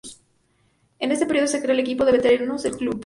En este período se crea el equipo de veteranos del club.